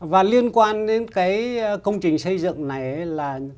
và liên quan đến cái công trình xây dựng này là